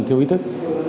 thiếu ý thức